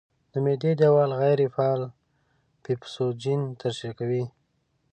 د معدې دېوال غیر فعال پیپسوجین ترشح کوي.